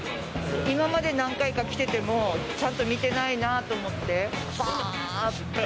今まで何回か来てても、ちゃんと見てないなと思って、ばーって。